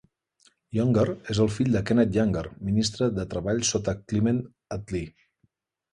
Younger és el fill de Kenneth Younger, ministre de Treball sota Clement Attlee.